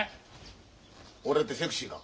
俺ってセクシーか？